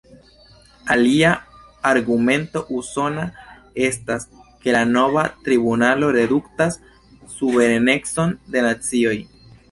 Alia argumento usona estas, ke la nova tribunalo reduktas suverenecon de nacioj.